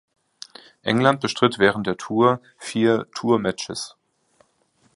England bestritt während der Tour vier Tour Matches.